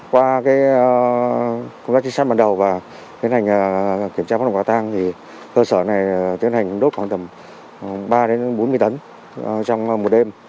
qua công tác chiến sát bản đầu và tiến hành kiểm tra phát động hóa tăng thì cơ sở này tiến hành đốt khoảng tầm ba đến bốn mươi tấn trong một đêm